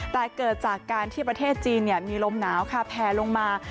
แต่เกิดจากการที่ประเทศจีนมีลมหนาวค่ะแพลลงมา